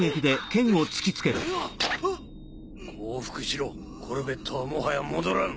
降伏しろコルベットはもはや戻らん。